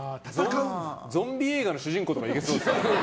ゾンビ映画の主人公とかいけそうですね。